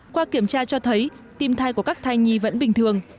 qua kiểm tra cho thấy tim thai của các thai nhi vẫn bình thường